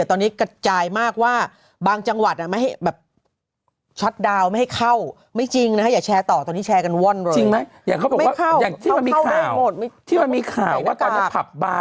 ที่มันมีข่าวว่าตอนนี้ผับบาร์